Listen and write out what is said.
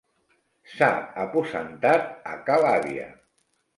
S'ha aposentat a ca l'àvia.